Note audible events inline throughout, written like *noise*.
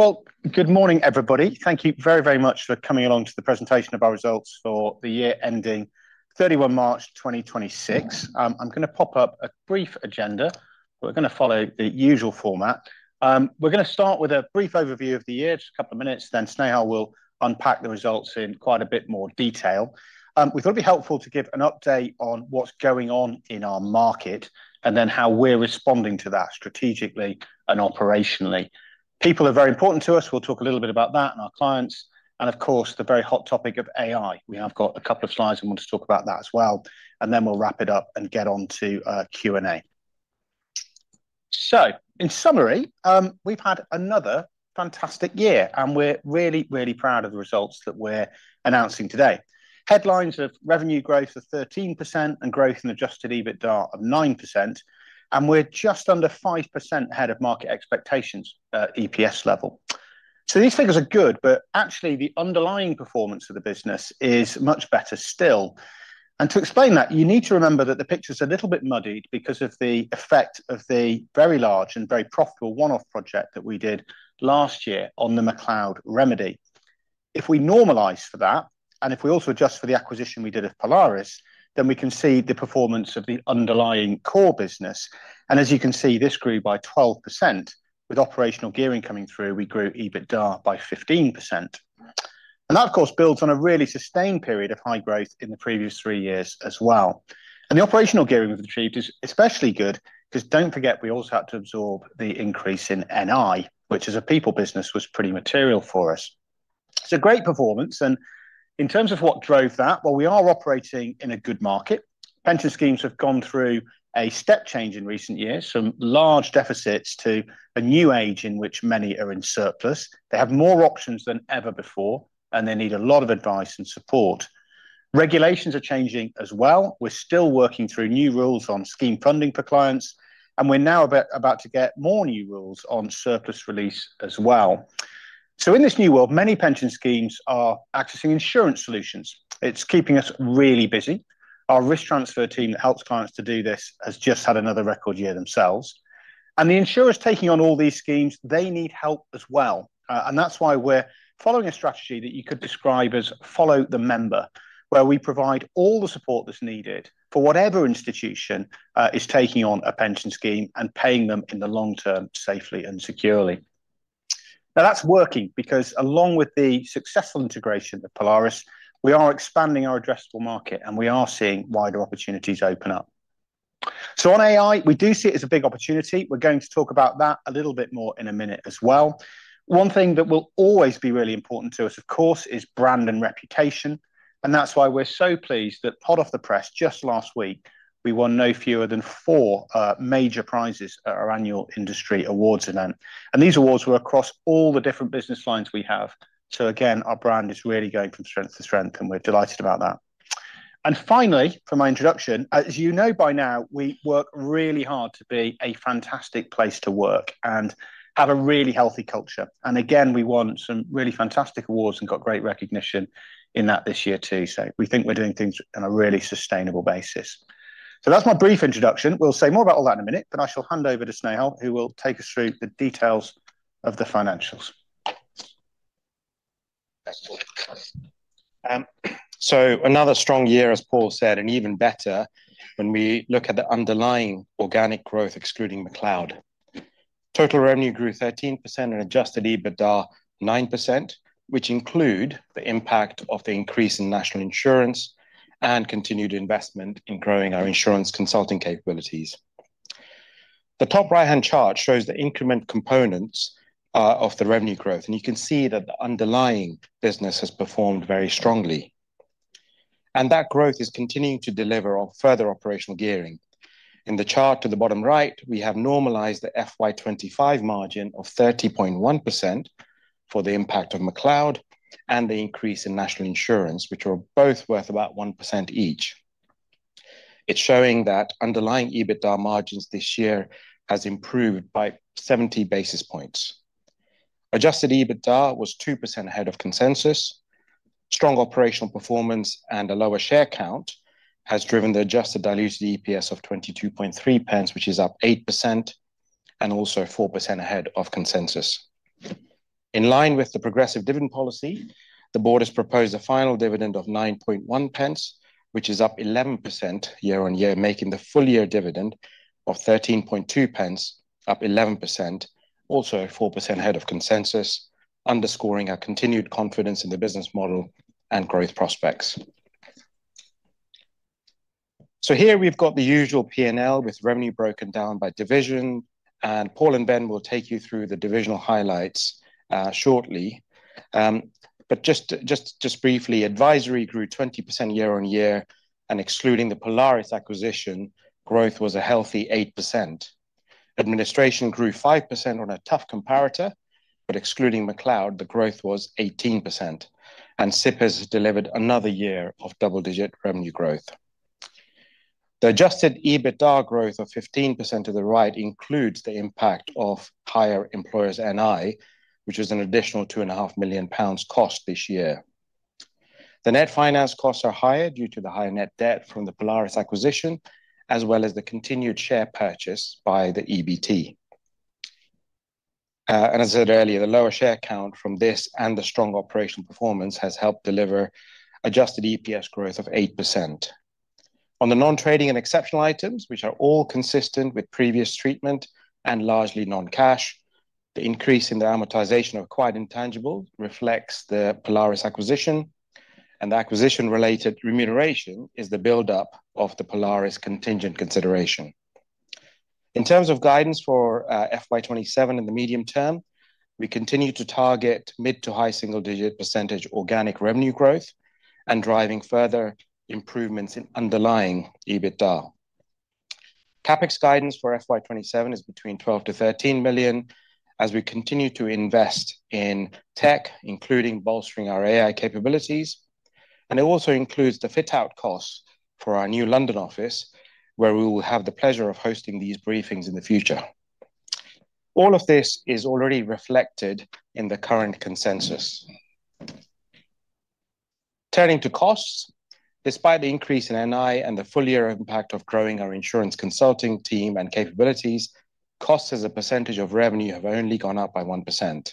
Well, good morning, everybody. Thank you very, very much for coming along to the presentation of our results for the year ending 31 March 2026. I'm going to pop up a brief agenda. We're going to follow the usual format. We're going to start with a brief overview of the year, just a couple of minutes, then Snehal will unpack the results in quite a bit more detail. We thought it would be helpful to give an update on what's going on in our market, then how we're responding to that strategically and operationally. People are very important to us. We'll talk a little bit about that and our clients, of course, the very hot topic of AI. We have got a couple of slides and want to talk about that as well, then we'll wrap it up and get onto Q&A. In summary, we've had another fantastic year and we're really, really proud of the results that we're announcing today. Headlines of revenue growth of 13% and growth in adjusted EBITDA of 9%. We're just under 5% ahead of market expectations at EPS level. These figures are good, but actually the underlying performance of the business is much better still. To explain that, you need to remember that the picture's a little bit muddied because of the effect of the very large and very profitable one-off project that we did last year on the McCloud Remedy. If we normalize for that, if we also adjust for the acquisition we did of Polaris, we can see the performance of the underlying core business. As you can see, this grew by 12%. With operational gearing coming through, we grew EBITDA by 15%. That, of course, builds on a really sustained period of high growth in the previous three years as well. The operational gearing we've achieved is especially good, because don't forget, we also had to absorb the increase in NI, which as a people business was pretty material for us. It's a great performance, in terms of what drove that, well, we are operating in a good market. Pension schemes have gone through a step change in recent years, from large deficits to a new age in which many are in surplus. They have more options than ever before. They need a lot of advice and support. Regulations are changing as well. We're still working through new rules on scheme funding for clients. We're now about to get more new rules on surplus release as well. In this new world, many pension schemes are accessing insurance solutions. It's keeping us really busy. Our risk transfer team that helps clients to do this has just had another record year themselves. The insurers taking on all these schemes, they need help as well. That's why we're following a strategy that you could describe as follow the member, where we provide all the support that's needed for whatever institution is taking on a pension scheme and paying them in the long term safely and securely. That's working because along with the successful integration of Polaris, we are expanding our addressable market and we are seeing wider opportunities open up. On AI, we do see it as a big opportunity. We're going to talk about that a little bit more in a minute as well. One thing that will always be really important to us, of course, is brand and reputation. That's why we're so pleased that hot off the press just last week, we won no fewer than four major prizes at our annual industry awards event. These awards were across all the different business lines we have. Again, our brand is really going from strength to strength, and we're delighted about that. Finally, for my introduction, as you know by now, we work really hard to be a fantastic place to work and have a really healthy culture. Again, we won some really fantastic awards and got great recognition in that this year too. We think we're doing things on a really sustainable basis. That's my brief introduction. We'll say more about all that in a minute. I shall hand over to Snehal, who will take us through the details of the financials. Another strong year, as Paul said, even better when we look at the underlying organic growth excluding McCloud. Total revenue grew 13% and adjusted EBITDA 9%, which include the impact of the increase in National Insurance and continued investment in growing our insurance consulting capabilities. The top right-hand chart shows the increment components of the revenue growth. You can see that the underlying business has performed very strongly. That growth is continuing to deliver on further operational gearing. In the chart to the bottom right, we have normalized the FY 2025 margin of 30.1% for the impact of McCloud and the increase in National Insurance, which were both worth about 1% each. It's showing that underlying EBITDA margins this year has improved by 70 basis points. Adjusted EBITDA was 2% ahead of consensus. Strong operational performance and a lower share count has driven the adjusted diluted EPS of 0.223, which is up 8% and also 4% ahead of consensus. In line with the progressive dividend policy, the board has proposed a final dividend of 0.091, which is up 11% year-on-year, making the full-year dividend of 0.132 up 11%, also 4% ahead of consensus, underscoring our continued confidence in the business model and growth prospects. Here we've got the usual P&L with revenue broken down by division. Paul and Ben will take you through the divisional highlights shortly. Just briefly, advisory grew 20% year-on-year and excluding the Polaris acquisition, growth was a healthy 8%. Administration grew 5% on a tough comparator, excluding McCloud, the growth was 18%. SIP has delivered another year of double-digit revenue growth. The adjusted EBITDA growth of 15% to the right includes the impact of higher employers' NI, which was an additional 2.5 million pounds cost this year. The net finance costs are higher due to the higher net debt from the Polaris acquisition, as well as the continued share purchase by the EBT. As I said earlier, the lower share count from this and the strong operational performance has helped deliver adjusted EPS growth of 8%. On the non-trading and exceptional items, which are all consistent with previous treatment and largely non-cash, the increase in the amortization of acquired intangibles reflects the Polaris acquisition, and the acquisition-related remuneration is the buildup of the Polaris contingent consideration. In terms of guidance for FY 2027 in the medium term, we continue to target mid to high single-digit percentage organic revenue growth and driving further improvements in underlying EBITDA. CapEx guidance for FY 2027 is between 12 million-13 million as we continue to invest in tech, including bolstering our AI capabilities, and it also includes the fit-out costs for our new London office, where we will have the pleasure of hosting these briefings in the future. All of this is already reflected in the current consensus. Turning to costs. Despite the increase in NI and the full-year impact of growing our insurance consulting team and capabilities, costs as a percentage of revenue have only gone up by 1%.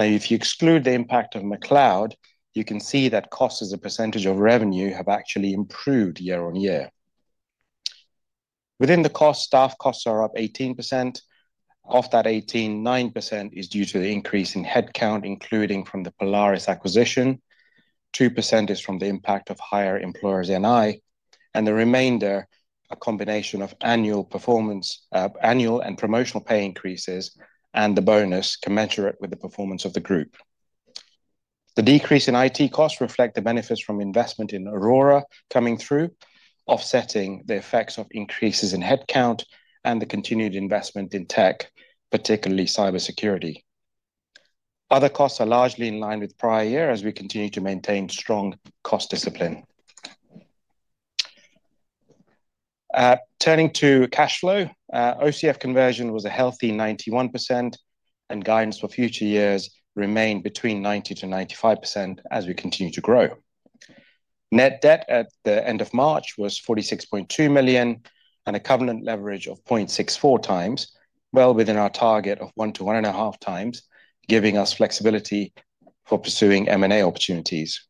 If you exclude the impact of the McCloud, you can see that costs as a percentage of revenue have actually improved year-on-year. Within the costs, staff costs are up 18%. Of that 18, 9% is due to the increase in headcount, including from the Polaris acquisition. 2% is from the impact of higher employers' NI, the remainder, a combination of annual and promotional pay increases and the bonus commensurate with the performance of the group. The decrease in IT costs reflect the benefits from investment in Aurora coming through, offsetting the effects of increases in headcount and the continued investment in tech, particularly cybersecurity. Other costs are largely in line with prior year as we continue to maintain strong cost discipline. Turning to cash flow. OCF conversion was a healthy 91%, guidance for future years remain between 90%-95% as we continue to grow. Net debt at the end of March was 46.2 million and a covenant leverage of 0.64x, well within our target of 1x to 1.5x, giving us flexibility for pursuing M&A opportunities.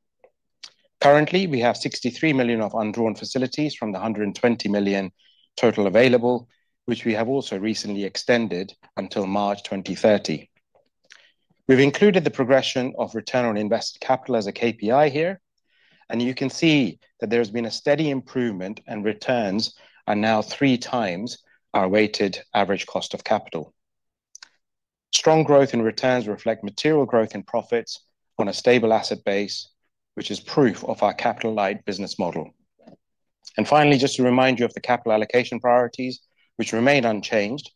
Currently, we have 63 million of undrawn facilities from the 120 million total available, which we have also recently extended until March 2030. We've included the progression of return on invested capital as a KPI here, and you can see that there has been a steady improvement, and returns are now 3x our weighted average cost of capital. Strong growth in returns reflect material growth in profits on a stable asset base, which is proof of our capital-light business model. Finally, just to remind you of the capital allocation priorities, which remain unchanged.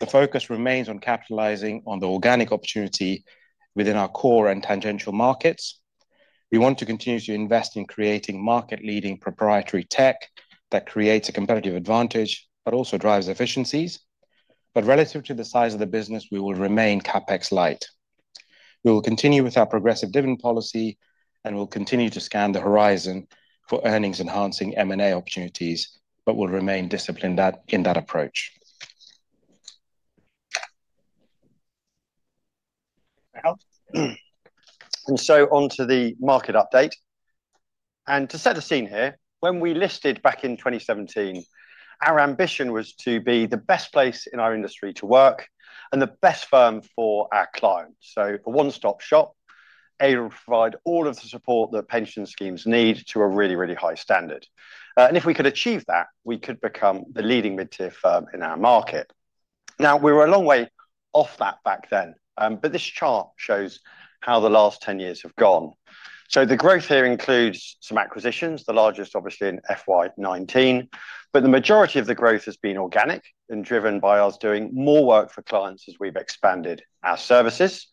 The focus remains on capitalizing on the organic opportunity within our core and tangential markets. We want to continue to invest in creating market-leading proprietary tech that creates a competitive advantage but also drives efficiencies. Relative to the size of the business, we will remain CapEx light. We will continue with our progressive dividend policy and will continue to scan the horizon for earnings-enhancing M&A opportunities, but will remain disciplined in that approach. On to the market update. To set the scene here, when we listed back in 2017, our ambition was to be the best place in our industry to work and the best firm for our clients. A one-stop shop. Provide all of the support that pension schemes need to a really, really high standard. If we could achieve that, we could become the leading mid-tier firm in our market. We were a long way off that back then, but this chart shows how the last 10 years have gone. The growth here includes some acquisitions, the largest, obviously, in FY 2019. The majority of the growth has been organic and driven by us doing more work for clients as we've expanded our services.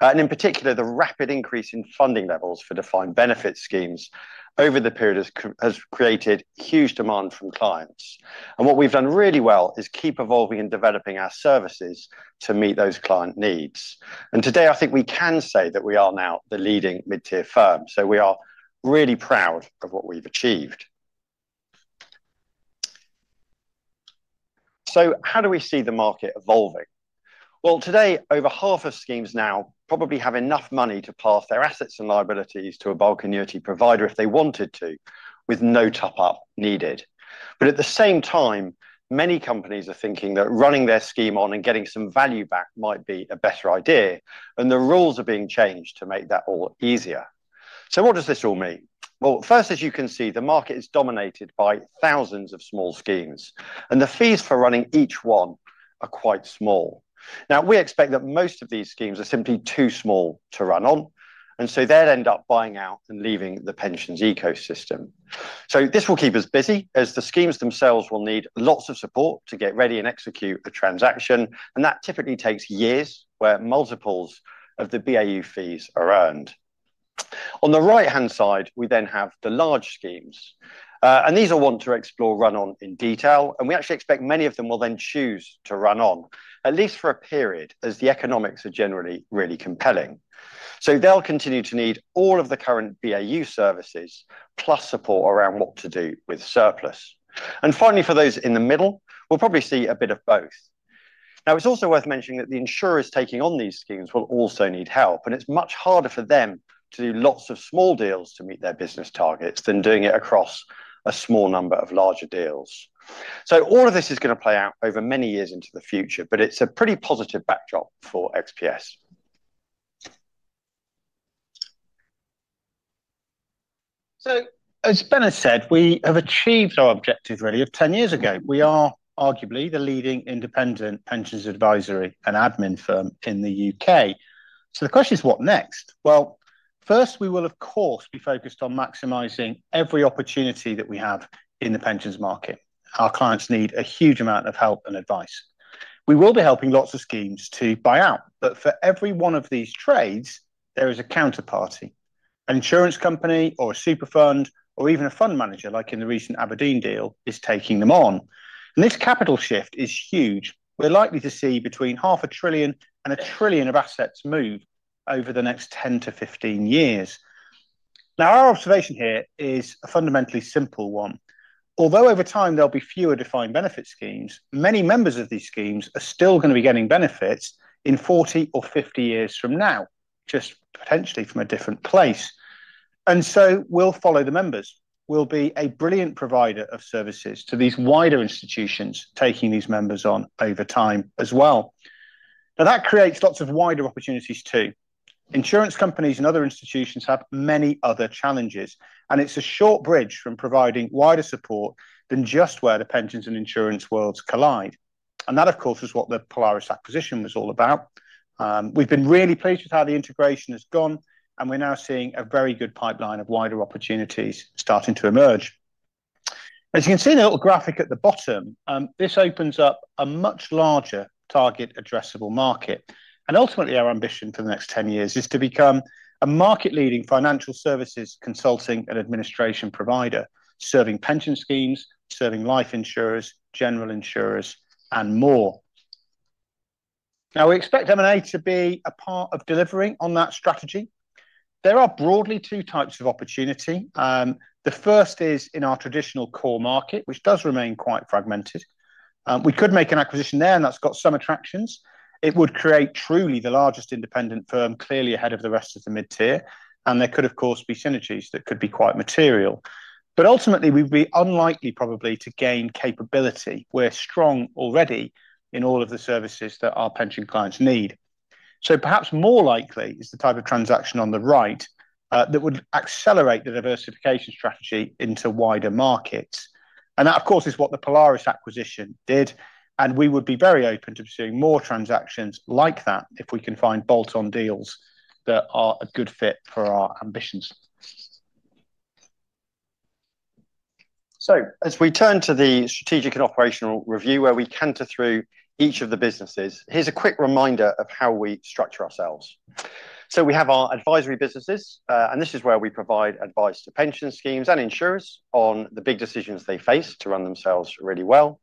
In particular, the rapid increase in funding levels for defined benefit schemes over the period has created huge demand from clients. What we've done really well is keep evolving and developing our services to meet those client needs. Today, I think we can say that we are now the leading mid-tier firm. We are really proud of what we've achieved. How do we see the market evolving? Today, over half of schemes now probably have enough money to pass their assets and liabilities to a bulk annuity provider if they wanted to, with no top-up needed. At the same time, many companies are thinking that running their scheme on and getting some value back might be a better idea, and the rules are being changed to make that all easier. What does this all mean? First, as you can see, the market is dominated by thousands of small schemes, and the fees for running each one are quite small. We expect that most of these schemes are simply too small to run on, they'll end up buying out and leaving the pensions ecosystem. This will keep us busy as the schemes themselves will need lots of support to get ready and execute a transaction, and that typically takes years, where multiples of the BAU fees are earned. On the right-hand side, we then have the large schemes. These I want to explore run-on in detail, we actually expect many of them will then choose to run on, at least for a period, as the economics are generally really compelling. They'll continue to need all of the current BAU services, plus support around what to do with surplus. Finally, for those in the middle, we'll probably see a bit of both. It's also worth mentioning that the insurers taking on these schemes will also need help, it's much harder for them to do lots of small deals to meet their business targets than doing it across a small number of larger deals. All of this is going to play out over many years into the future, but it's a pretty positive backdrop for XPS. As Ben has said, we have achieved our objective really of 10 years ago. We are arguably the leading independent pensions advisory and admin firm in the U.K. The question is, what next? First, we will of course be focused on maximizing every opportunity that we have in the pensions market. Our clients need a huge amount of help and advice. We will be helping lots of schemes to buy out, but for every one of these trades, there is a counterparty. An insurance company or a superfund or even a fund manager, like in the recent Aberdeen deal, is taking them on. This capital shift is huge. We're likely to see between half a trillion and a trillion of assets move over the next 10 to 15 years. Our observation here is a fundamentally simple one. Although over time there'll be fewer defined benefit schemes, many members of these schemes are still going to be getting benefits in 40 or 50 years from now, just potentially from a different place. We'll follow the members. We'll be a brilliant provider of services to these wider institutions, taking these members on over time as well. That creates lots of wider opportunities, too. Insurance companies and other institutions have many other challenges, and it's a short bridge from providing wider support than just where the pensions and insurance worlds collide. That, of course, is what the Polaris acquisition was all about. We've been really pleased with how the integration has gone, we're now seeing a very good pipeline of wider opportunities starting to emerge. You can see in the little graphic at the bottom, this opens up a much larger target addressable market. Ultimately, our ambition for the next 10 years is to become a market leading financial services consulting and administration provider, serving pension schemes, serving life insurers, general insurers, and more. We expect M&A to be a part of delivering on that strategy. There are broadly two types of opportunity. The first is in our traditional core market, which does remain quite fragmented. We could make an acquisition there, that's got some attractions. It would create truly the largest independent firm, clearly ahead of the rest of the mid-tier, there could of course be synergies that could be quite material. But ultimately, we'd be unlikely probably to gain capability. We're strong already in all of the services that our pension clients need. Perhaps more likely is the type of transaction on the right that would accelerate the diversification strategy into wider markets. That, of course, is what the Polaris acquisition did, we would be very open to pursuing more transactions like that if we can find bolt-on deals that are a good fit for our ambitions. As we turn to the strategic and operational review where we canter through each of the businesses, here's a quick reminder of how we structure ourselves. We have our advisory businesses, this is where we provide advice to pension schemes and insurers on the big decisions they face to run themselves really well.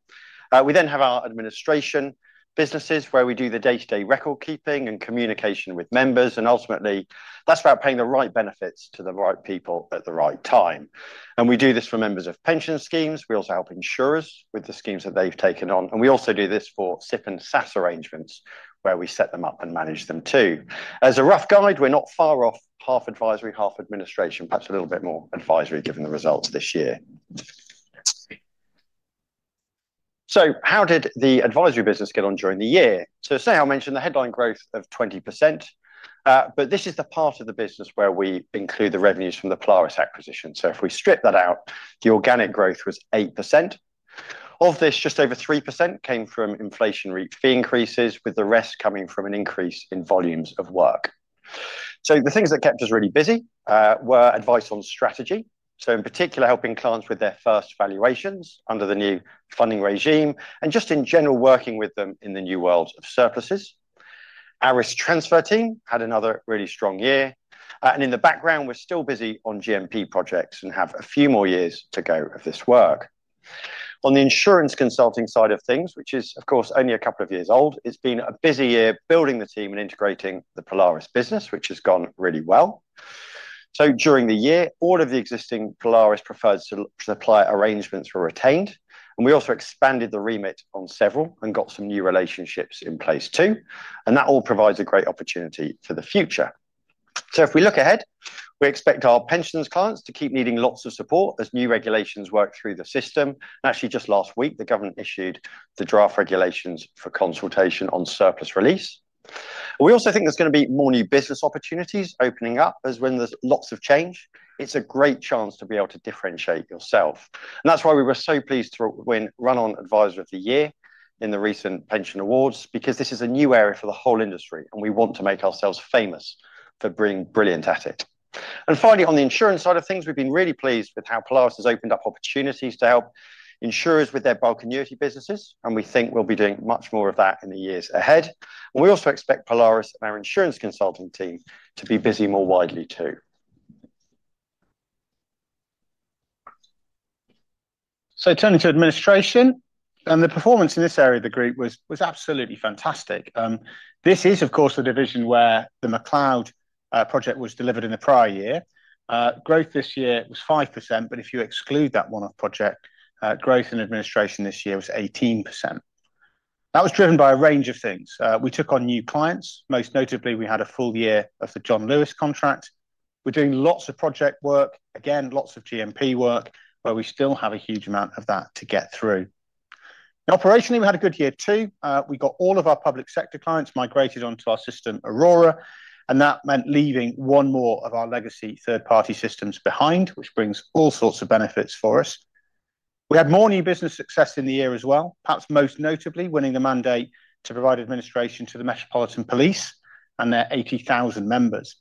We have our administration businesses where we do the day-to-day record keeping and communication with members, ultimately, that's about paying the right benefits to the right people at the right time. We do this for members of pension schemes. We also help insurers with the schemes that they've taken on. We also do this for SIPP and SSAS arrangements where we set them up and manage them, too. As a rough guide, we are not far off half advisory, half administration, perhaps a little bit more advisory given the results this year. How did the advisory business get on during the year? Snehal mentioned the headline growth of 20%, but this is the part of the business where we include the revenues from the Polaris acquisition, if we strip that out, the organic growth was 8%. Of this, just over 3% came from inflation fee increases, with the rest coming from an increase in volumes of work. The things that kept us really busy were advice on strategy, in particular, helping clients with their first valuations under the new funding regime, and just in general working with them in the new worlds of surpluses. Our risk transfer team had another really strong year. In the background, we are still busy on GMP projects and have a few more years to go of this work. On the insurance consulting side of things, which is, of course, only a couple of years old, it has been a busy year building the team and integrating the Polaris business, which has gone really well. During the year, all of the existing Polaris preferred supplier arrangements were retained, and we also expanded the remit on several and got some new relationships in place, too. That all provides a great opportunity for the future. If we look ahead, we expect our pensions clients to keep needing lots of support as new regulations work through the system. Actually just last week, the government issued the draft regulations for consultation on surplus release. We also think there is going to be more new business opportunities opening up, as when there is lots of change, it is a great chance to be able to differentiate yourself. That is why we were so pleased to win Run-On Adviser of the Year in the recent UK Pensions Awards, because this is a new area for the whole industry and we want to make ourselves famous for being brilliant at it. Finally, on the insurance side of things, we have been really pleased with how Polaris has opened up opportunities to help insurers with their bulk annuity businesses, and we think we will be doing much more of that in the years ahead. We also expect Polaris and our insurance consulting team to be busy more widely, too. Turning to administration, the performance in this area of the group was absolutely fantastic. This is, of course, the division where the McCloud project was delivered in the prior year. Growth this year was 5%, but if you exclude that one-off project, growth in administration this year was 18%. That was driven by a range of things. We took on new clients. Most notably, we had a full year of the John Lewis contract. We are doing lots of project work. Again, lots of GMP work, where we still have a huge amount of that to get through. Now, operationally, we had a good year, too. We got all of our public sector clients migrated onto our system, Aurora, and that meant leaving one more of our legacy third-party systems behind, which brings all sorts of benefits for us. We had more new business success in the year as well, perhaps most notably winning the mandate to provide administration to the Metropolitan Police and their 80,000 members.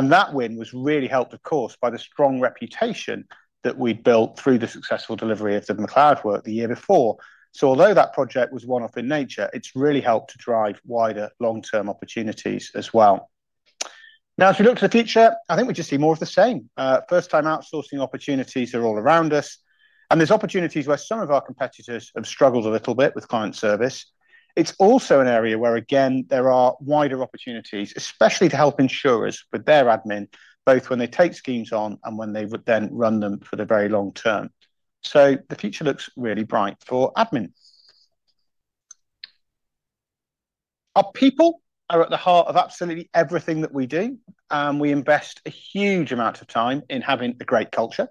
That win was really helped, of course, by the strong reputation that we'd built through the successful delivery of the McCloud work the year before. Although that project was one-off in nature, it's really helped to drive wider long-term opportunities as well. As we look to the future, I think we just see more of the same. First-time outsourcing opportunities are all around us, and there's opportunities where some of our competitors have struggled a little bit with client service. It's also an area where, again, there are wider opportunities, especially to help insurers with their admin, both when they take schemes on and when they would then run them for the very long term. The future looks really bright for admin. Our people are at the heart of absolutely everything that we do. We invest a huge amount of time in having a great culture.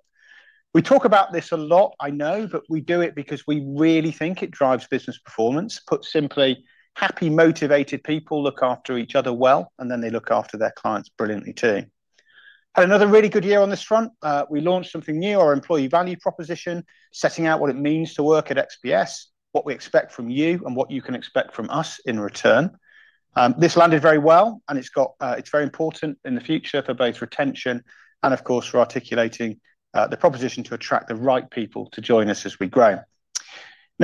We talk about this a lot, I know, but we do it because we really think it drives business performance. Put simply, happy, motivated people look after each other well, and then they look after their clients brilliantly, too. Had another really good year on this front. We launched something new, our Employee Value Proposition, setting out what it means to work at XPS, what we expect from you, and what you can expect from us in return. This landed very well and it's very important in the future for both retention and, of course, for articulating the proposition to attract the right people to join us as we grow.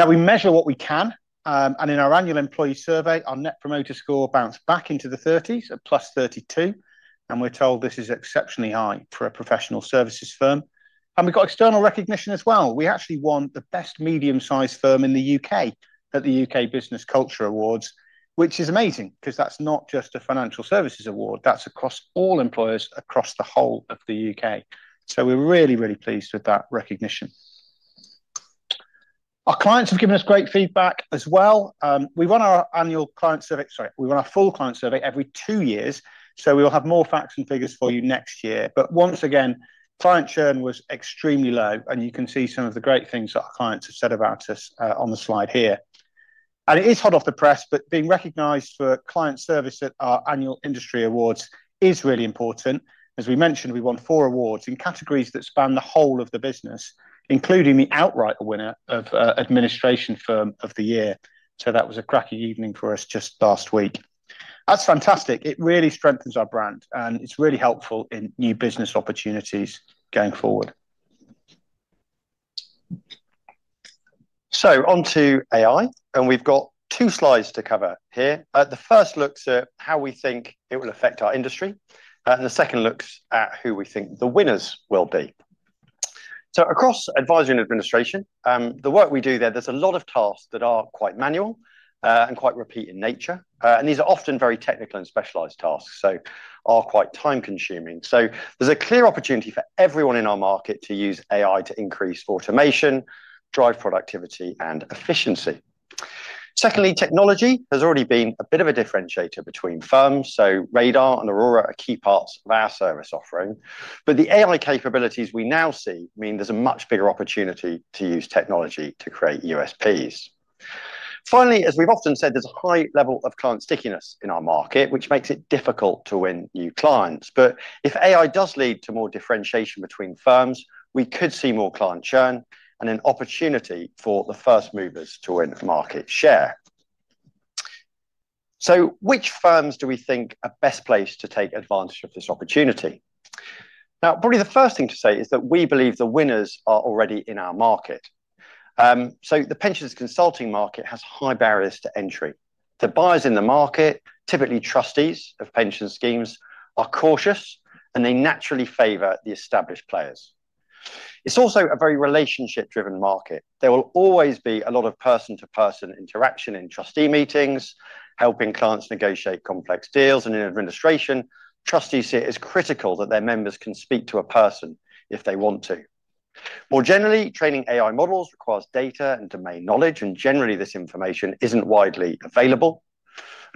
We measure what we can, and in our annual employee survey, our net promoter score bounced back into the 30s at +32, and we're told this is exceptionally high for a professional services firm. We got external recognition as well. We actually won the best medium-sized firm in the U.K. at the U.K. Business Culture Awards, which is amazing because that's not just a financial services award. That's across all employers across the whole of the U.K. We're really, really pleased with that recognition. Our clients have given us great feedback as well. We run our full client survey every two years, so we will have more facts and figures for you next year. Once again, client churn was extremely low, and you can see some of the great things that our clients have said about us on the slide here. It is hot off the press, but being recognized for client service at our annual industry awards is really important. As we mentioned, we won four awards in categories that span the whole of the business, including the outright winner of Administration Firm of the Year. That was a cracking evening for us just last week. That's fantastic. It really strengthens our brand, and it's really helpful in new business opportunities going forward. On to AI, and we've got two slides to cover here. The first looks at how we think it will affect our industry, and the second looks at who we think the winners will be. Across advisory and administration, the work we do there's a lot of tasks that are quite manual and quite repeat in nature. These are often very technical and specialized tasks, so are quite time-consuming. There's a clear opportunity for everyone in our market to use AI to increase automation, drive productivity, and efficiency. Secondly, technology has already been a bit of a differentiator between firms, so Radar and Aurora are key parts of our service offering. The AI capabilities we now see mean there's a much bigger opportunity to use technology to create USPs. Finally, as we've often said, there's a high level of client stickiness in our market, which makes it difficult to win new clients. If AI does lead to more differentiation between firms, we could see more client churn and an opportunity for the first movers to win market share. Which firms do we think are best placed to take advantage of this opportunity? Probably the first thing to say is that we believe the winners are already in our market. The pensions consulting market has high barriers to entry. The buyers in the market, typically trustees of pension schemes, are cautious, and they naturally favor the established players. It's also a very relationship-driven market. There will always be a lot of person-to-person interaction in trustee meetings, helping clients negotiate complex deals, and in administration, trustees see it as critical that their members can speak to a person if they want to. More generally, training AI models requires data and domain knowledge, and generally this information isn't widely available.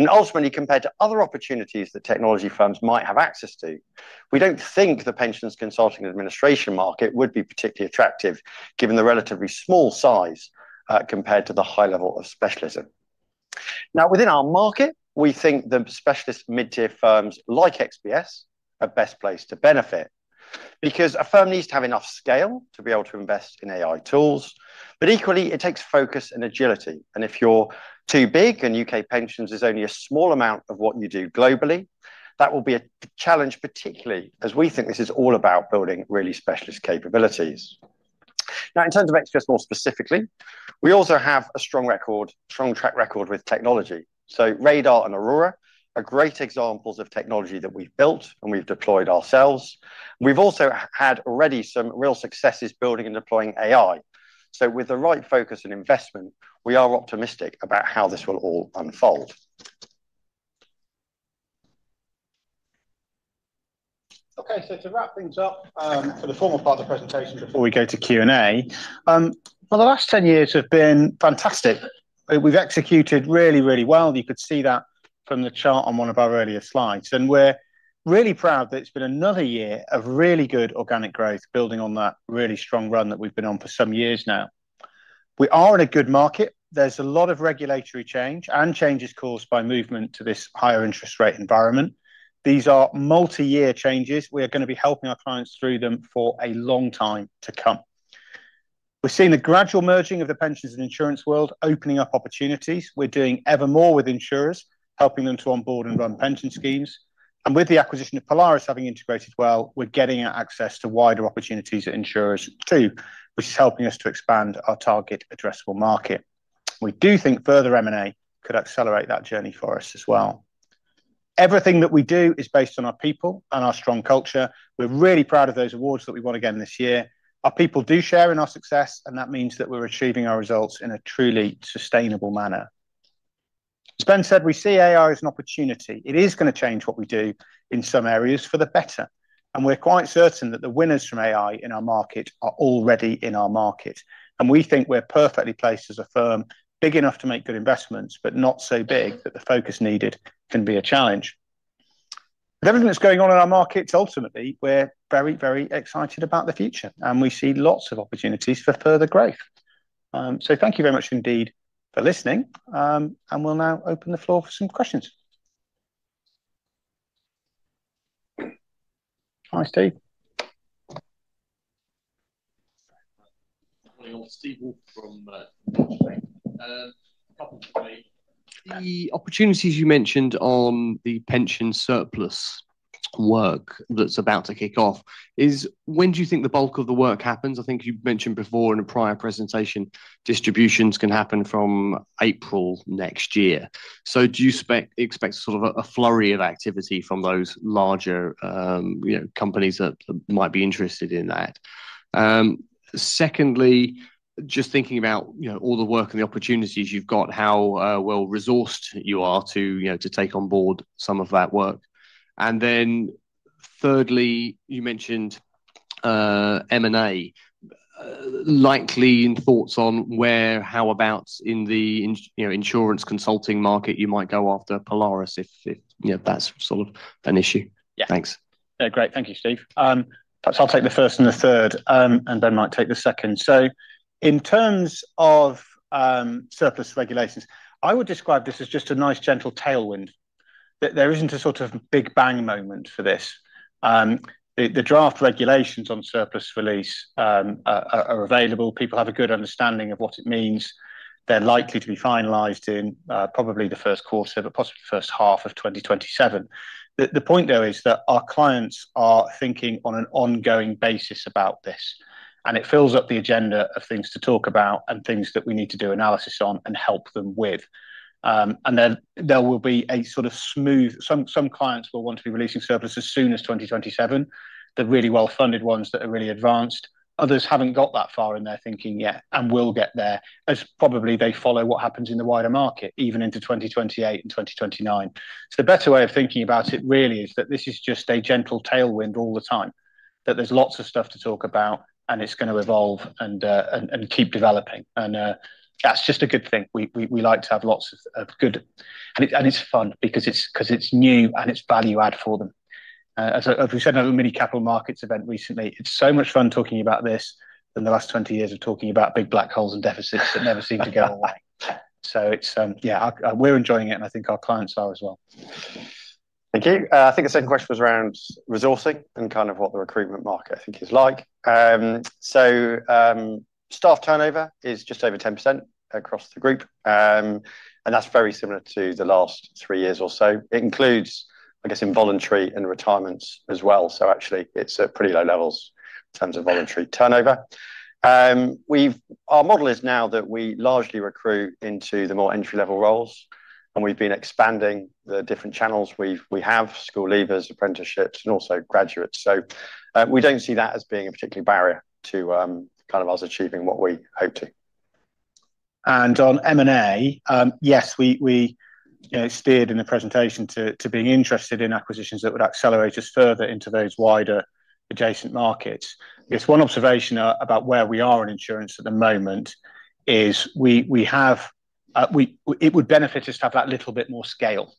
Ultimately, compared to other opportunities that technology firms might have access to, we don't think the pensions consulting administration market would be particularly attractive given the relatively small size compared to the high level of specialism. Within our market, we think the specialist mid-tier firms like XPS are best placed to benefit because a firm needs to have enough scale to be able to invest in AI tools. Equally, it takes focus and agility, and if you're too big and U.K. pensions is only a small amount of what you do globally, that will be a challenge, particularly as we think this is all about building really specialist capabilities. In terms of XPS more specifically, we also have a strong track record with technology. Radar and Aurora are great examples of technology that we've built and we've deployed ourselves. We've also had already some real successes building and deploying AI. With the right focus and investment, we are optimistic about how this will all unfold. To wrap things up for the formal part of the presentation before we go to Q&A. The last 10 years have been fantastic. We've executed really, really well. You could see that from the chart on one of our earlier slides, and we're really proud that it's been another year of really good organic growth building on that really strong run that we've been on for some years now. We are in a good market. There's a lot of regulatory change and changes caused by movement to this higher interest rate environment. These are multi-year changes. We are going to be helping our clients through them for a long time to come. We're seeing a gradual merging of the pensions and insurance world opening up opportunities. We're doing evermore with insurers, helping them to onboard and run pension schemes. With the acquisition of Polaris having integrated well, we're getting access to wider opportunities at insurers too, which is helping us to expand our target addressable market. We do think further M&A could accelerate that journey for us as well. Everything that we do is based on our people and our strong culture. We're really proud of those awards that we won again this year. Our people do share in our success, and that means that we're achieving our results in a truly sustainable manner. As Ben said, we see AI as an opportunity. It is going to change what we do in some areas for the better. We're quite certain that the winners from AI in our market are already in our market. We think we're perfectly placed as a firm, big enough to make good investments, but not so big that the focus needed can be a challenge. With everything that's going on in our markets, ultimately, we're very excited about the future, and we see lots of opportunities for further growth. Thank you very much indeed for listening, and we'll now open the floor for some questions. Hi, Steve. Morning all. Steve Woolf from Deutsche Numis. Couple for me. The opportunities you mentioned on the pension surplus work that's about to kick off is when do you think the bulk of the work happens? I think you've mentioned before in a prior presentation, distributions can happen from April next year. Do you expect sort of a flurry of activity from those larger companies that might be interested in that? Secondly, just thinking about all the work and the opportunities you've got, how well-resourced you are to take on board some of that work. Then thirdly, you mentioned M&A. Likely in thoughts on where, how abouts in the insurance consulting market you might go after Polaris if that's sort of an issue. Yeah. Thanks. Yeah. Great. Thank you, Steve. Perhaps I'll take the first and the third, and Ben might take the second. In terms of surplus regulations, I would describe this as just a nice, gentle tailwind, that there isn't a sort of big bang moment for this. The draft regulations on surplus release are available. People have a good understanding of what it means. They're likely to be finalized in probably the first quarter, but possibly the first half of 2027. The point though is that our clients are thinking on an ongoing basis about this, and it fills up the agenda of things to talk about and things that we need to do analysis on and help them with. Then some clients will want to be releasing surplus as soon as 2027, the really well-funded ones that are really advanced. Others haven't got that far in their thinking yet and will get there as probably they follow what happens in the wider market, even into 2028 and 2029. The better way of thinking about it really is that this is just a gentle tailwind all the time, that there's lots of stuff to talk about, and it's going to evolve and keep developing, and that's just a good thing. We like to have lots of good-- It's fun because it's new and it's value add for them. As we said at a mini capital markets event recently, it's so much fun talking about this than the last 20 years of talking about big black holes and deficits that never seem to go away. Yeah, we're enjoying it, and I think our clients are as well. Thank you. I think the second question was around resourcing and kind of what the recruitment market I think is like. Staff turnover is just over 10% across the group. That's very similar to the last three years or so. It includes, I guess, involuntary and retirements as well. Actually, it's at pretty low levels in terms of voluntary turnover. Our model is now that we largely recruit into the more entry-level roles, and we've been expanding the different channels. We have school leavers, apprenticeships, and also graduates. We don't see that as being a particular barrier to us achieving what we hope to. On M&A, yes, we steered in the presentation to being interested in acquisitions that would accelerate us further into those wider adjacent markets. I guess one observation about where we are in insurance at the moment is it would benefit us to have that little bit more scale.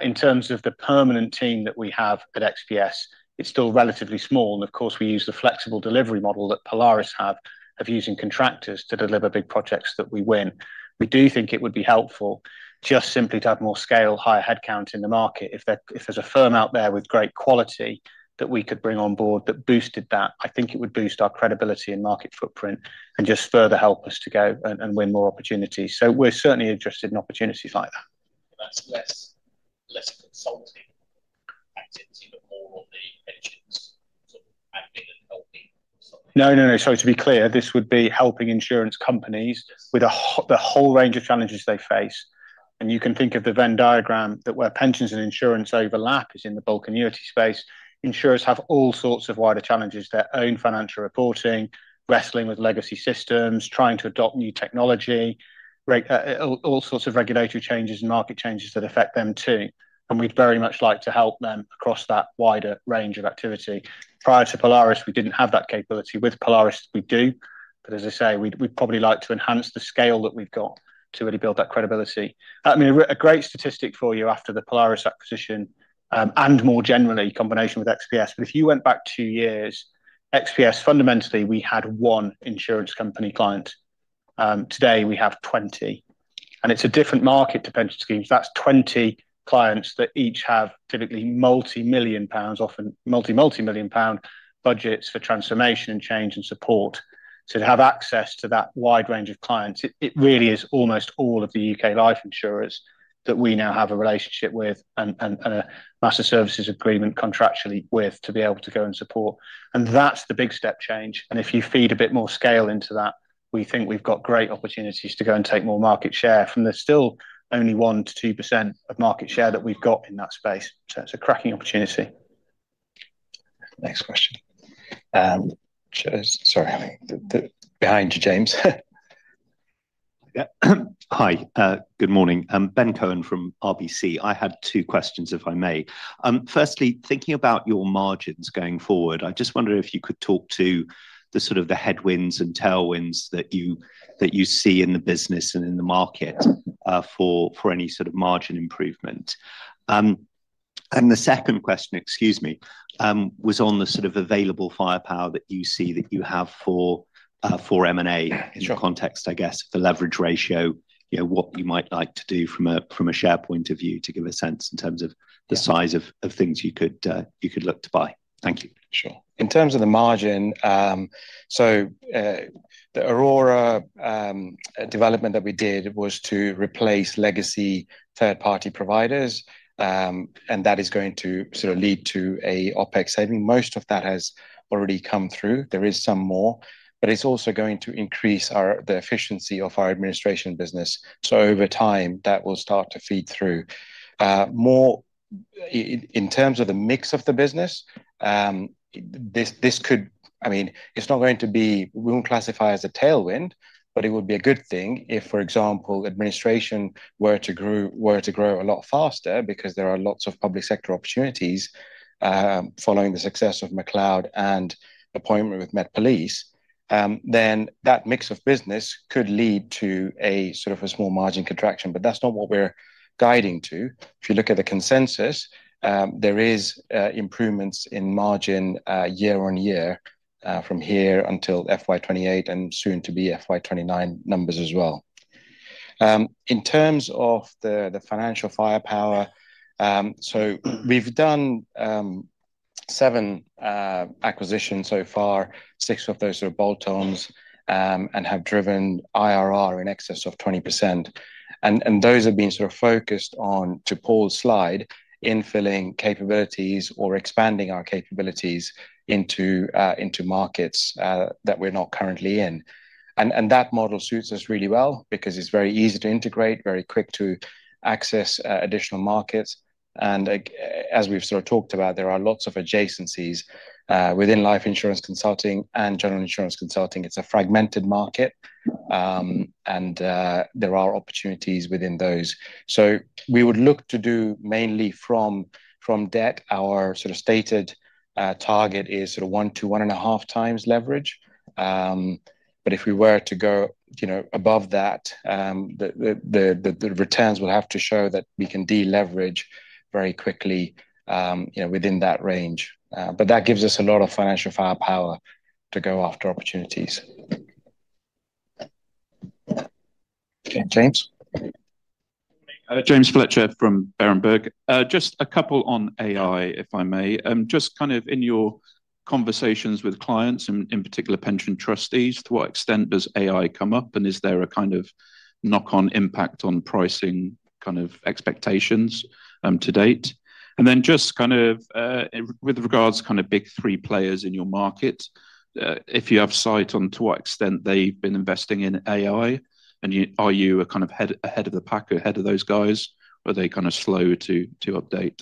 In terms of the permanent team that we have at XPS, it's still relatively small, and of course, we use the flexible delivery model that Polaris have of using contractors to deliver big projects that we win. We do think it would be helpful just simply to have more scale, higher headcount in the market. If there's a firm out there with great quality that we could bring on board that boosted that, I think it would boost our credibility and market footprint and just further help us to go and win more opportunities. We're certainly interested in opportunities like that. That's less consulting. *audio distortion* No. To be clear, this would be helping insurance companies with the whole range of challenges they face. You can think of the Venn diagram that where pensions and insurance overlap is in the bulk annuity space. Insurers have all sorts of wider challenges, their own financial reporting, wrestling with legacy systems, trying to adopt new technology, all sorts of regulatory changes and market changes that affect them, too. We'd very much like to help them across that wider range of activity. Prior to Polaris Actuaries and Consultants Limited, we didn't have that capability. With Polaris Actuaries and Consultants Limited, we do, but as I say, we'd probably like to enhance the scale that we've got to really build that credibility. A great statistic for you after the Polaris Actuaries and Consultants Limited acquisition, more generally, combination with XPS, but if you went back two years, XPS, fundamentally, we had one insurance company client. Today we have 20. It's a different market to pension schemes. That's 20 clients that each have typically multi-million GBP, often multi-million-GBP budgets for transformation and change and support. To have access to that wide range of clients, it really is almost all of the U.K. life insurers that we now have a relationship with and a master services agreement contractually with to be able to go and support. That's the big step change. If you feed a bit more scale into that, we think we've got great opportunities to go and take more market share from the still only 1%-2% of market share that we've got in that space. It's a cracking opportunity. Next question. Sorry, behind you, James. Yeah. Hi, good morning. Ben Cohen from RBC. I had two questions, if I may. Firstly, thinking about your margins going forward, I just wonder if you could talk to the sort of the headwinds and tailwinds that you see in the business and in the market for any sort of margin improvement. The second question, excuse me, was on the sort of available firepower that you see that you have for M&A- Sure in the context, I guess, the leverage ratio, what you might like to do from a share point of view to give a sense in terms of- Yeah the size of things you could look to buy. Thank you. Sure. In terms of the margin, the Aurora development that we did was to replace legacy third-party providers, that is going to lead to a OPEX saving. Most of that has already come through. There is some more, it's also going to increase the efficiency of our administration business. Over time, that will start to feed through. In terms of the mix of the business, we won't classify as a tailwind, it would be a good thing if, for example, administration were to grow a lot faster because there are lots of public sector opportunities following the success of McCloud and appointment with Met Police, then that mix of business could lead to a sort of a small margin contraction. That's not what we're guiding to. If you look at the consensus, there is improvements in margin year-over-year from here until FY 2028 and soon to be FY 2029 numbers as well. In terms of the financial firepower, we've done seven acquisitions so far. Six of those are bolt-ons and have driven IRR in excess of 20%. Those have been sort of focused on, to Paul's slide, infilling capabilities or expanding our capabilities into markets that we're not currently in. That model suits us really well because it's very easy to integrate, very quick to access additional markets. As we've sort of talked about, there are lots of adjacencies within life insurance consulting and general insurance consulting. It's a fragmented market, and there are opportunities within those. We would look to do mainly from debt. Our sort of stated target is sort of 1x to 1.5x leverage. If we were to go above that, the returns will have to show that we can de-leverage very quickly within that range. That gives us a lot of financial firepower to go after opportunities. James? James Fletcher from Berenberg. Just a couple on AI, if I may. Just kind of in your conversations with clients and, in particular, pension trustees, to what extent does AI come up, and is there a kind of knock-on impact on pricing kind of expectations to date? Just kind of with regards kind of big three players in your market, if you have sight on to what extent they've been investing in AI, and are you ahead of the pack or ahead of those guys? Or are they kind of slow to update?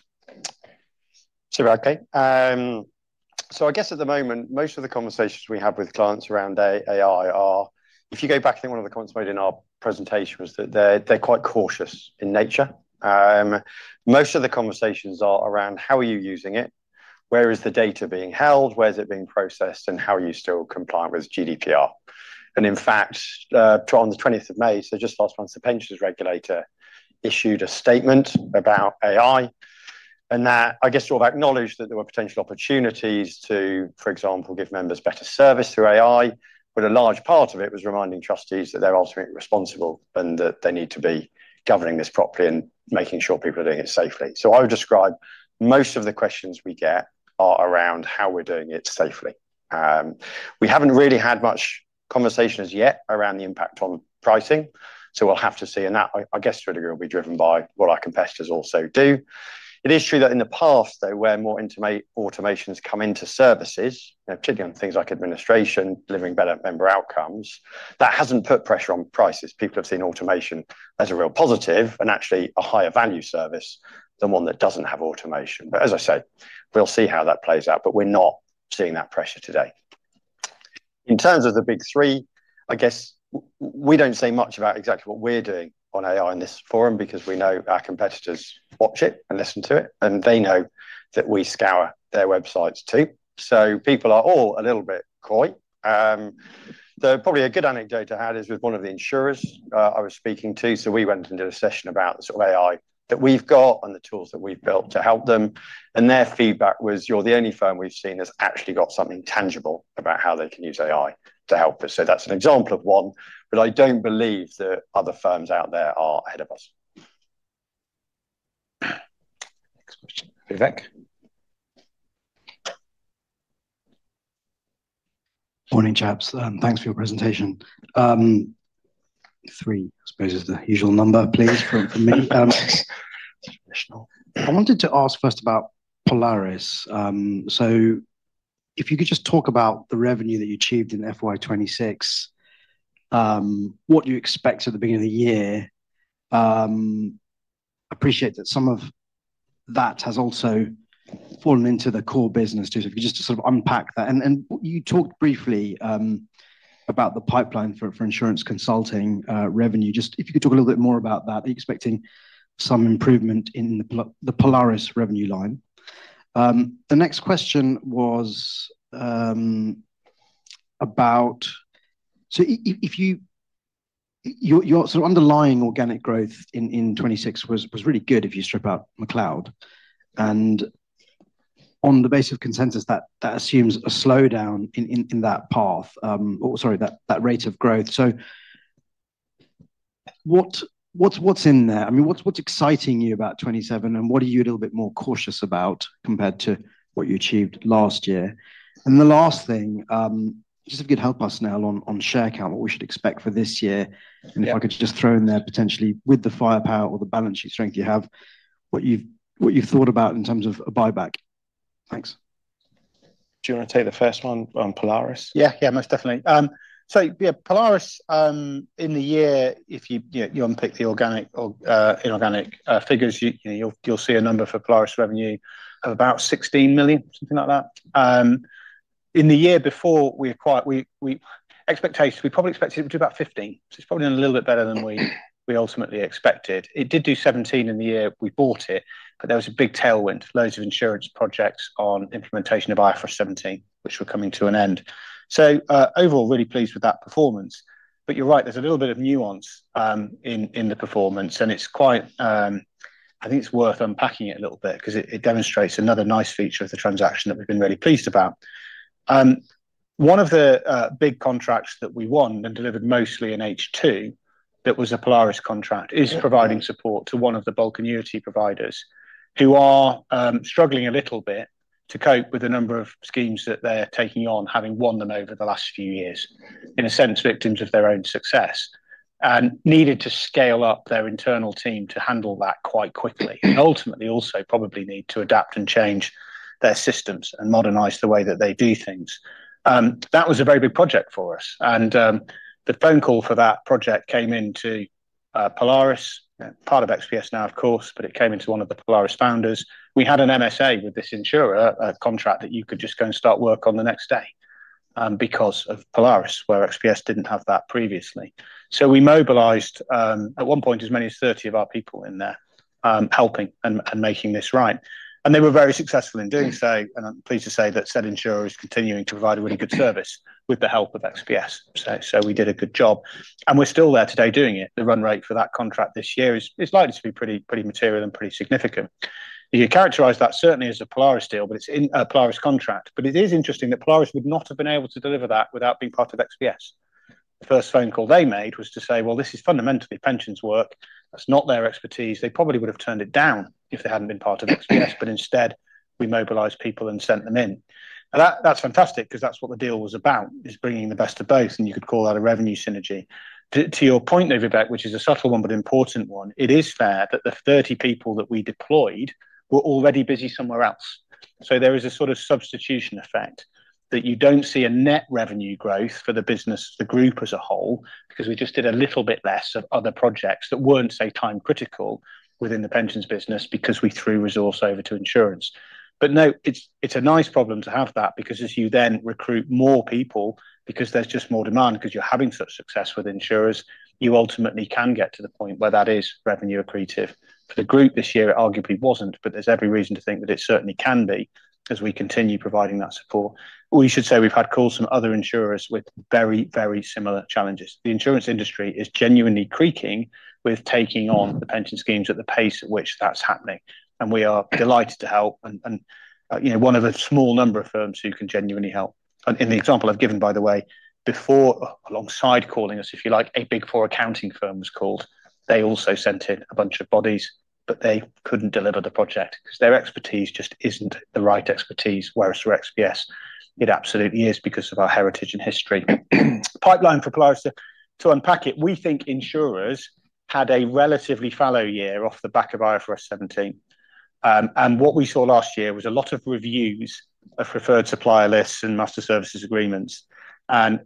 Sure. Okay. I guess at the moment, most of the conversations we have with clients around AI are, if you go back, I think one of the comments made in our presentation was that they're quite cautious in nature. Most of the conversations are around how are you using it, where is the data being held, where is it being processed, and how are you still compliant with GDPR? In fact, on the 20th of May, just last month, The Pensions Regulator issued a statement about AI, and that I guess sort of acknowledged that there were potential opportunities to, for example, give members better service through AI. A large part of it was reminding trustees that they're ultimately responsible and that they need to be governing this properly and making sure people are doing it safely. I would describe most of the questions we get are around how we're doing it safely. We haven't really had much conversation as yet around the impact on pricing. We'll have to see, and that, I guess, really will be driven by what our competitors also do. It is true that in the past, though, where more automation has come into services, particularly on things like administration, delivering better member outcomes, that hasn't put pressure on prices. People have seen automation as a real positive and actually a higher value service than one that doesn't have automation. As I say, we'll see how that plays out, but we're not seeing that pressure today. In terms of the Big Three, I guess we don't say much about exactly what we're doing on AI in this forum because we know our competitors watch it and listen to it, and they know that we scour their websites too. People are all a little bit coy. Probably a good anecdote to add is with one of the insurers I was speaking to. We went and did a session about the sort of AI that we've got and the tools that we've built to help them, and their feedback was, You're the only firm we've seen that's actually got something tangible about how they can use AI to help us. That's an example of one, but I don't believe that other firms out there are ahead of us. Next question. Vivek? Morning, chaps. Thanks for your presentation. Three, I suppose is the usual number, please, from me. Traditional. I wanted to ask first about Polaris. If you could just talk about the revenue that you achieved in FY 2026, what you expect at the beginning of the year. Appreciate that some of that has also fallen into the core business too. If you just sort of unpack that. You talked briefly about the pipeline for insurance consulting revenue. Just if you could talk a little bit more about that. Are you expecting some improvement in the Polaris revenue line? The next question was about your underlying organic growth in 2026 was really good if you strip out McCloud. On the base of consensus, that assumes a slowdown in that path, or, sorry, that rate of growth. What's in there? I mean, what's exciting you about 2027, what are you a little bit more cautious about compared to what you achieved last year? The last thing, just if you could help us now on share count, what we should expect for this year. Yeah. If I could just throw in there potentially with the firepower or the balance sheet strength you have, what you've thought about in terms of a buyback. Thanks. Do you want to take the first one on Polaris? Yeah. Most definitely. Yeah, Polaris, in the year, if you unpick the organic or inorganic figures, you'll see a number for Polaris revenue of about 16 million, something like that. In the year before, we probably expected it to do about 15 million, it's probably done a little bit better than we ultimately expected. It did do 17 million in the year we bought it, there was a big tailwind, loads of insurance projects on implementation of IFRS 17, which were coming to an end. Overall really pleased with that performance. You're right, there's a little bit of nuance in the performance, I think it's worth unpacking it a little bit because it demonstrates another nice feature of the transaction that we've been really pleased about. One of the big contracts that we won and delivered mostly in H2 that was a Polaris contract is providing support to one of the bulk annuity providers who are struggling a little bit to cope with the number of schemes that they're taking on, having won them over the last few years. In a sense, victims of their own success, and needed to scale up their internal team to handle that quite quickly, and ultimately also probably need to adapt and change their systems and modernize the way that they do things. That was a very big project for us, and the phone call for that project came into Polaris, part of XPS now, of course, but it came into one of the Polaris founders. We had an MSA with this insurer, a contract that you could just go and start work on the next day, because of Polaris, where XPS didn't have that previously. We mobilized, at one point, as many as 30 of our people in there, helping and making this right, and they were very successful in doing so. I'm pleased to say that said insurer is continuing to provide a really good service with the help of XPS. We did a good job, and we're still there today doing it. The run rate for that contract this year is likely to be pretty material and pretty significant. You could characterize that certainly as a Polaris deal, but it's in a Polaris contract. It is interesting that Polaris would not have been able to deliver that without being part of XPS. The first phone call they made was to say, well, this is fundamentally pensions work. That's not their expertise. They probably would've turned it down if they hadn't been part of XPS, but instead we mobilized people and sent them in. That's fantastic because that's what the deal was about, is bringing the best of both, and you could call that a revenue synergy. To your point, Vivek, which is a subtle one but important one, it is fair that the 30 people that we deployed were already busy somewhere else. There is a sort of substitution effect that you don't see a net revenue growth for the business, the group as a whole, because we just did a little bit less of other projects that weren't, say, time critical within the pensions business because we threw resource over to insurance. No, it's a nice problem to have that because as you then recruit more people because there's just more demand because you're having such success with insurers, you ultimately can get to the point where that is revenue accretive. For the group this year, it arguably wasn't, but there's every reason to think that it certainly can be as we continue providing that support. We should say we've had calls from other insurers with very, very similar challenges. The insurance industry is genuinely creaking with taking on the pension schemes at the pace at which that's happening, and we are delighted to help and one of a small number of firms who can genuinely help. In the example I've given, by the way, before, alongside calling us, if you like, a Big Four accounting firm was called. They also sent in a bunch of bodies. They couldn't deliver the project because their expertise just isn't the right expertise, whereas for XPS, it absolutely is because of our heritage and history. Pipeline for Polaris, to unpack it, we think insurers had a relatively fallow year off the back of IFRS 17. What we saw last year was a lot of reviews of preferred supplier lists and master services agreements.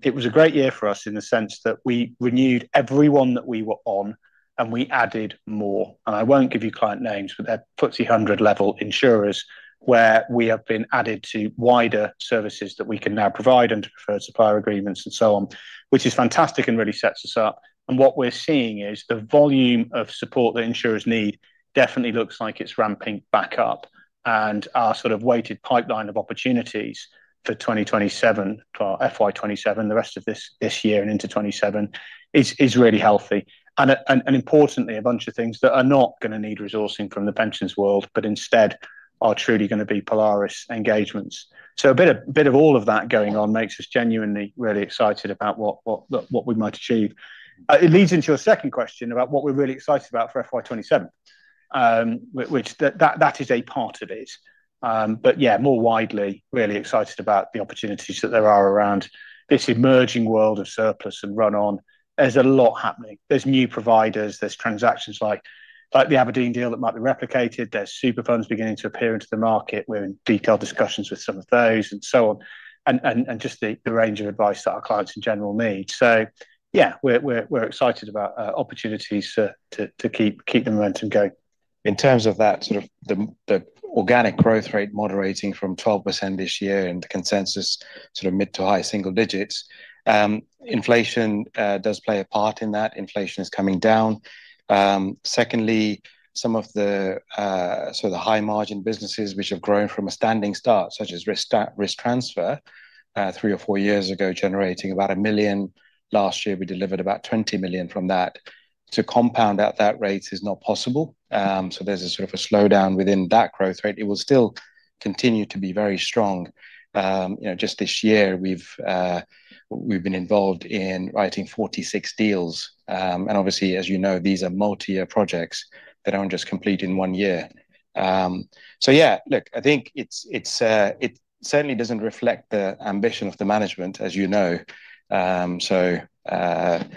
It was a great year for us in the sense that we renewed everyone that we were on, and we added more. I won't give you client names, but they're FTSE 100 level insurers, where we have been added to wider services that we can now provide under preferred supplier agreements and so on, which is fantastic and really sets us up. What we're seeing is the volume of support that insurers need definitely looks like it's ramping back up, and our weighted pipeline of opportunities for 2027, or FY 2027, the rest of this year and into 2027 is really healthy. Importantly, a bunch of things that are not going to need resourcing from the pensions world, but instead are truly going to be Polaris engagements. A bit of all of that going on makes us genuinely really excited about what we might achieve. It leads into a second question about what we're really excited about for FY 2027. Which that is a part of it. Yeah, more widely, really excited about the opportunities that there are around this emerging world of surplus and run-on. There's a lot happening. There's new providers, there's transactions like the Aberdeen deal that might be replicated. There's superfunds beginning to appear into the market. We're in detailed discussions with some of those and so on. Just the range of advice that our clients in general need. Yeah, we're excited about opportunities to keep the momentum going. In terms of that, the organic growth rate moderating from 12% this year and the consensus mid to high single digits. Inflation does play a part in that. Inflation is coming down. Secondly, some of the high margin businesses which have grown from a standing start, such as risk transfer, three or four years ago, generating about 1 million. Last year, we delivered about 20 million from that. To compound at that rate is not possible. There's a sort of a slowdown within that growth rate. It will still continue to be very strong. Just this year, we've been involved in writing 46 deals. Obviously, as you know, these are multi-year projects. They don't just complete in one year. Yeah, look, I think it certainly doesn't reflect the ambition of the management, as you know. In terms of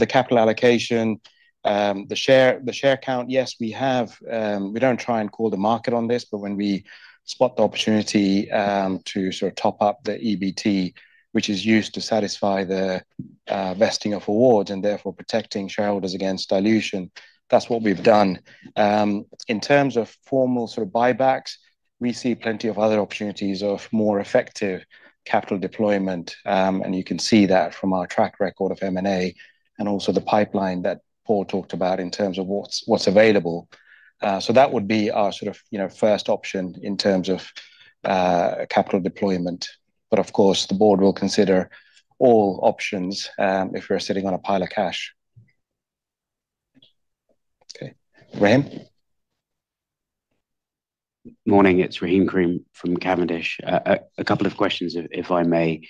the capital allocation, the share count, yes, we don't try and call the market on this, but when we spot the opportunity to top up the EBT, which is used to satisfy the vesting of awards and therefore protecting shareholders against dilution, that's what we've done. In terms of formal buybacks, we see plenty of other opportunities of more effective capital deployment. You can see that from our track record of M&A and also the pipeline that Paul talked about in terms of what's available. That would be our first option in terms of capital deployment. Of course, the board will consider all options if we're sitting on a pile of cash. Okay. Rahim? Morning, it's Rahim Karim from Cavendish. A couple of questions, if I may.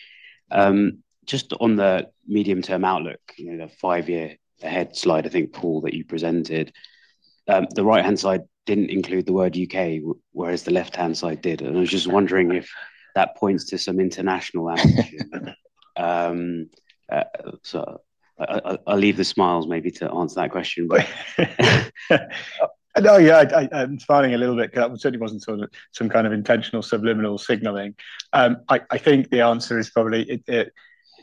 Just on the medium-term outlook, the five-year ahead slide, I think, Paul, that you presented. The right-hand side didn't include the word U.K., whereas the left-hand side did, and I was just wondering if that points to some international ambition. I'll leave the smiles maybe to answer that question. No, yeah, I'm smiling a little bit because that certainly wasn't some kind of intentional subliminal signaling. I think the answer is probably,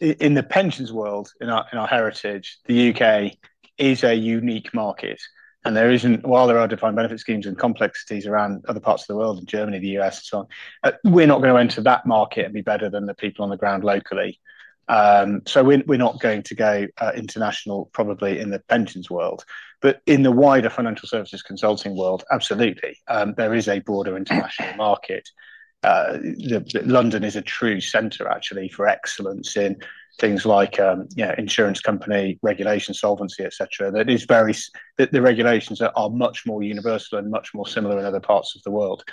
in the pensions world, in our heritage, the U.K. is a unique market. While there are defined benefit schemes and complexities around other parts of the world, in Germany, the U.S., and so on, we're not going to enter that market and be better than the people on the ground locally. We're not going to go international, probably, in the pensions world. In the wider financial services consulting world, absolutely. There is a broader international market. London is a true center, actually, for excellence in things like insurance company regulation, solvency, et cetera, that the regulations are much more universal and much more similar in other parts of the world.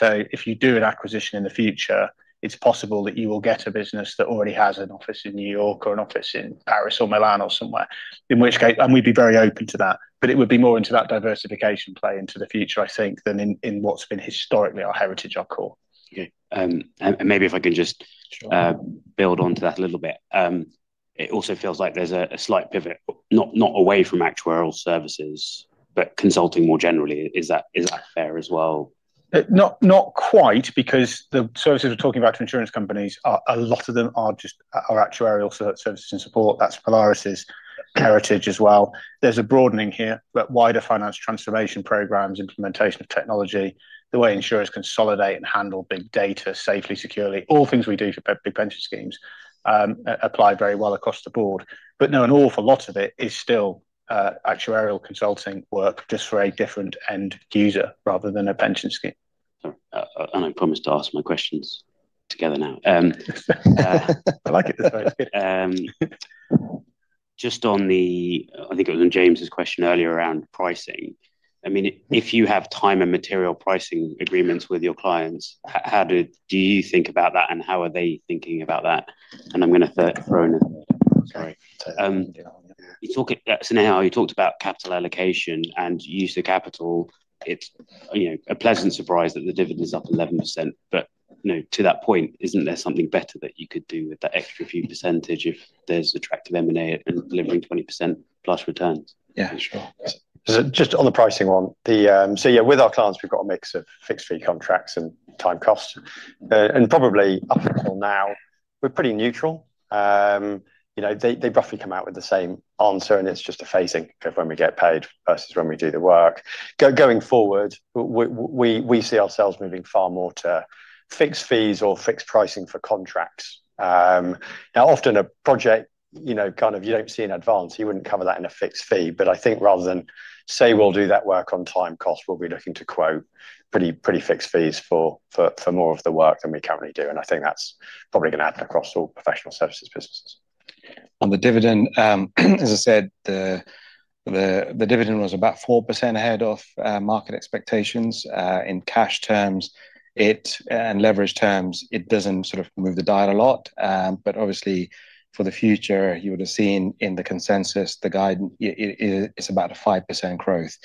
If you do an acquisition in the future, it's possible that you will get a business that already has an office in New York or an office in Paris or Milan or somewhere, in which case And we'd be very open to that. It would be more into that diversification play into the future, I think, than in what's been historically our heritage, our core. Okay. Maybe if I can Sure build onto that a little bit. It also feels like there's a slight pivot, not away from actuarial services, but consulting more generally. Is that fair as well? Not quite, because the services we're talking about to insurance companies, a lot of them are actuarial services and support. That's Polaris's heritage as well. There's a broadening here, wider finance transformation programs, implementation of technology, the way insurers consolidate and handle big data safely, securely, all things we do for big pension schemes apply very well across the board. No, an awful lot of it is still actuarial consulting work just for a different end user rather than a pension scheme. Sorry. I promise to ask my questions together now. I like it this way. Just on the, I think it was in James's question earlier around pricing. If you have time and material pricing agreements with your clients, how do you think about that, and how are they thinking about that? I'm going to throw in Sorry. Yeah. Snehal, you talked about capital allocation and use of capital. It's a pleasant surprise that the dividend's up 11%, to that point, isn't there something better that you could do with that extra few percentage if there's attractive M&A delivering 20%+ returns? Yeah, sure. Just on the pricing one, yeah, with our clients, we've got a mix of fixed fee contracts and time cost. Probably up until now, we're pretty neutral. They roughly come out with the same answer, and it's just a phasing of when we get paid versus when we do the work. Going forward, we see ourselves moving far more to fixed fees or fixed pricing for contracts. Often a project, you don't see in advance, you wouldn't cover that in a fixed fee. I think rather than say we'll do that work on time cost, we'll be looking to quote pretty fixed fees for more of the work than we currently do, and I think that's probably going to happen across all professional services businesses. On the dividend, as I said, the dividend was about 4% ahead of market expectations. In cash terms and leverage terms, it doesn't sort of move the dial a lot. Obviously for the future, you would've seen in the consensus, the guidance, it's about a 5% growth,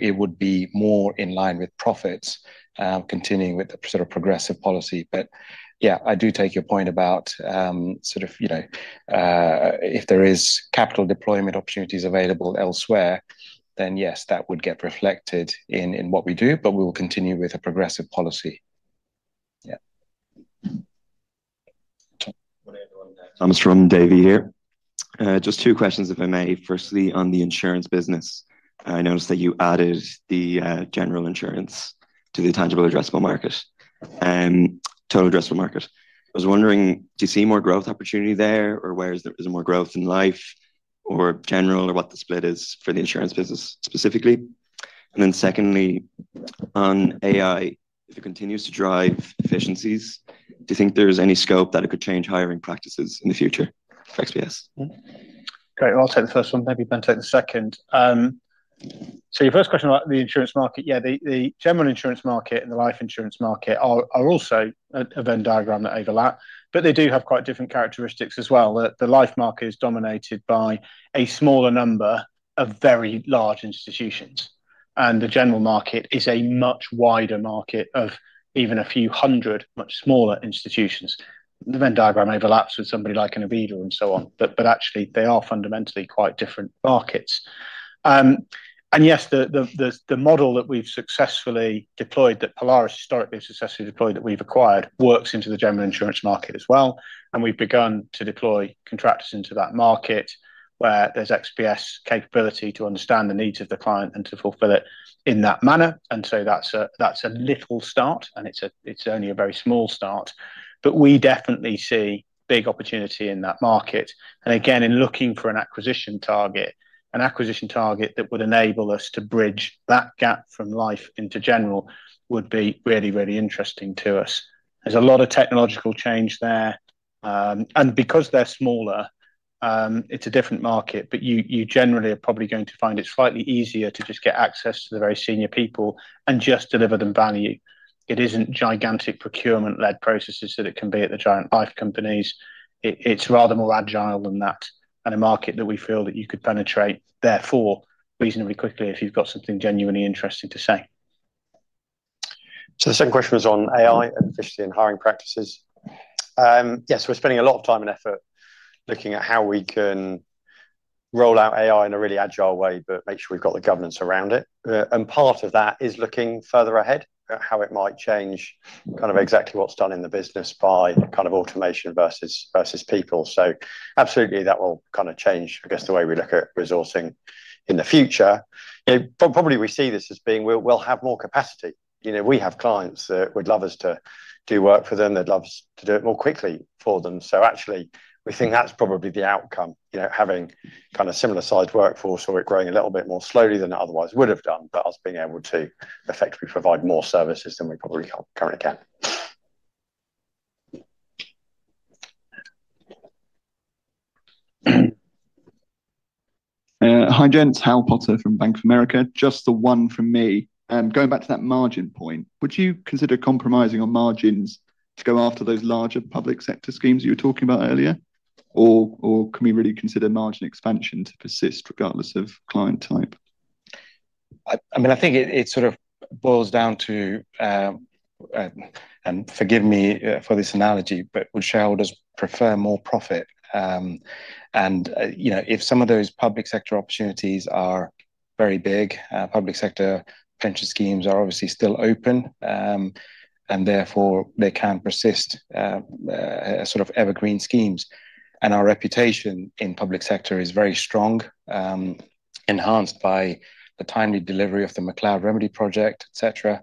it would be more in line with profits, continuing with the sort of progressive policy. Yeah, I do take your point about if there is capital deployment opportunities available elsewhere, then yes, that would get reflected in what we do. We will continue with a progressive policy. Yeah. Good morning, everyone. Thomas from Davy here. Just two questions, if I may. Firstly, on the insurance business, I noticed that you added the general insurance to the tangible addressable market, total addressable market. I was wondering, do you see more growth opportunity there, or is there more growth in life or general, or what the split is for the insurance business specifically? Then secondly, on AI, if it continues to drive efficiencies, do you think there's any scope that it could change hiring practices in the future for XPS? Great. I'll take the first one, maybe Ben take the second. Your first question about the insurance market. Yeah, the general insurance market and the life insurance market are also a Venn diagram that overlap, they do have quite different characteristics as well. The life market is dominated by a smaller number of very large institutions, and the general market is a much wider market of even a few hundred, much smaller institutions. The Venn diagram overlaps with somebody like an Aviva and so on. Actually, they are fundamentally quite different markets. Yes, the model that we've successfully deployed, that Polaris historically successfully deployed, that we've acquired, works into the general insurance market as well, and we've begun to deploy contracts into that market where there's XPS capability to understand the needs of the client and to fulfill it in that manner. That's a little start and it's only a very small start, but we definitely see big opportunity in that market. Again, in looking for an acquisition target, an acquisition target that would enable us to bridge that gap from life into general would be really, really interesting to us. There's a lot of technological change there. Because they're smaller, it's a different market, but you generally are probably going to find it slightly easier to just get access to the very senior people and just deliver them value. It isn't gigantic procurement-led processes that it can be at the giant life companies. It's rather more agile than that and a market that we feel that you could penetrate therefore reasonably quickly if you've got something genuinely interesting to say. The second question was on AI and efficiency and hiring practices. Yes, we're spending a lot of time and effort looking at how we can roll out AI in a really agile way, but make sure we've got the governance around it. Part of that is looking further ahead at how it might change kind of exactly what's done in the business by kind of automation versus people. Absolutely that will kind of change, I guess, the way we look at resourcing in the future. Probably we see this as being, we'll have more capacity. We have clients that would love us to do work for them, they'd love us to do it more quickly for them. Actually, we think that's probably the outcome. Having kind of similar sized workforce or it growing a little bit more slowly than it otherwise would've done, but us being able to effectively provide more services than we probably currently can. Hi, gents. Hal Potter from Bank of America. Just the one from me. Going back to that margin point, would you consider compromising on margins to go after those larger public sector schemes you were talking about earlier? Can we really consider margin expansion to persist regardless of client type? I think it sort of boils down to, and forgive me for this analogy, but would shareholders prefer more profit? If some of those public sector opportunities are very big, public sector pension schemes are obviously still open, and therefore they can persist as sort of evergreen schemes. Our reputation in public sector is very strong, enhanced by the timely delivery of the McCloud Remedy project, et cetera.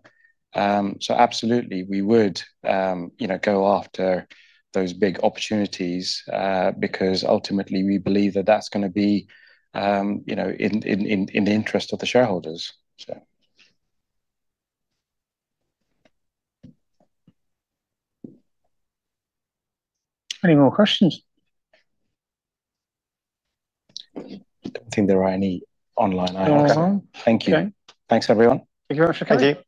Absolutely we would go after those big opportunities, because ultimately we believe that that's going to be in the interest of the shareholders. Any more questions? I don't think there are any online anyway. Online? Okay. Thank you. Okay. Thanks everyone. Thank you very much for coming. Thank you.